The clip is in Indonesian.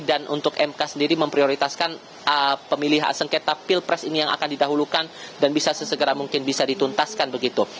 dan untuk mk sendiri memprioritaskan pemilihan sengketa pilpres ini yang akan didahulukan dan bisa sesegera mungkin bisa dituntaskan begitu